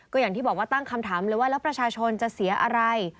ก็อย่างที่บอกว่าตั้งคำถามเลยว่าแล้วประชาชนจะเสียอะไร